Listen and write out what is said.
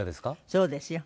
そうですよ。